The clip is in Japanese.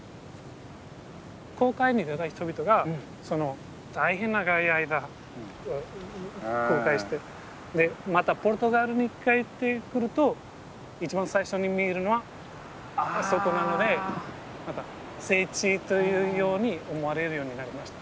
航海に出た人々が大変長い間航海してでまたポルトガルに帰ってくると一番最初に見えるのはあそこなので聖地というように思われるようになりました。